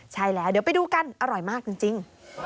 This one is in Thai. ใช่แล้วเดี๋ยวไปดูกันอร่อยมากจริง